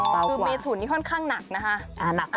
คือเมถุนนี่ค่อนข้างหนักนะคะ